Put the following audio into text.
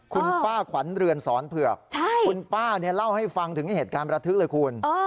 คุณป้าขวัญเรือนสอนเผือกคุณป้าเนี่ยเล่าให้ฟังถึงเหตุการณ์ประทึกเลยคุณ